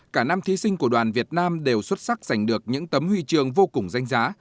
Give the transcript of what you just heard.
cả năm thí sinh của đoàn việt nam đều xuất sắc giành được những tấm huy chương vô cùng danh giá